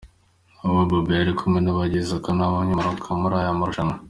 Aha Boubou yari kumwe n'abagize akanama nkemurampaka muri aya marushanwa.